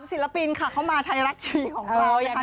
๓ศิลปินค่ะเข้ามาไทยรัฐชีวิตของเรา